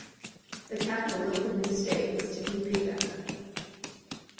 The capital of the new state was to be Riga.